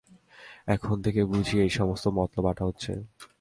এখন থেকে বুঝি এই-সমস্ত মতলব আঁটা হচ্ছে।